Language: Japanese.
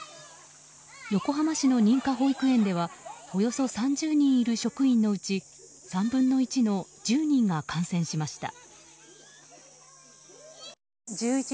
横浜市の認可保育園ではおよそ３０人いる職員のうち３分の１の１０人が感染しました。